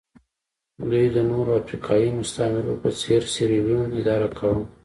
دوی د نورو افریقایي مستعمرو په څېر سیریلیون اداره کاوه.